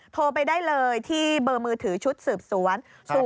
โทรไปได้เลยที่เบอร์มือถือชุดสืบสวน